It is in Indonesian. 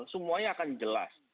semuanya akan jelas